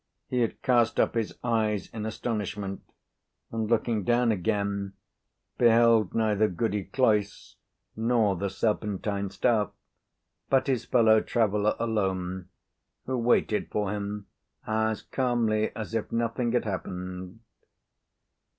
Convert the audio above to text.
He had cast up his eyes in astonishment, and, looking down again, beheld neither Goody Cloyse nor the serpentine staff, but his fellow traveller alone, who waited for him as calmly as if nothing had happened.